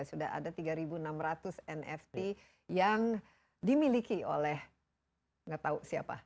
sudah ada tiga enam ratus nft yang dimiliki oleh nggak tahu siapa